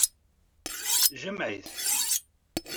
Jmeɛ-it.